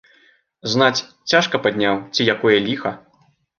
Знаць, цяжка падняў, ці якое ліха.